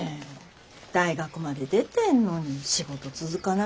大学まで出てんのに仕事続かないし。